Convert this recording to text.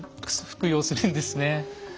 服用するんですね。